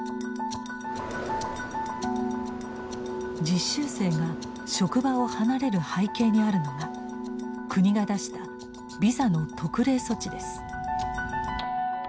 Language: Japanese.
実習生が職場を離れる背景にあるのが国が出したビザの特例措置です。